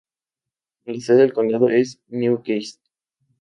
La sede del condado es Newcastle.